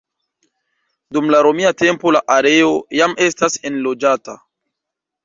Dum la Romia tempo la areo jam estas enloĝata.